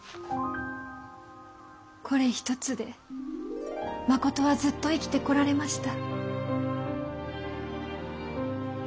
これ一つで真琴はずっと生きてこられました。